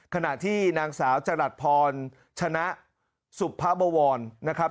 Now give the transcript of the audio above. ขณะที่นางสาวจรัสพรชนะสุพบวรนะครับ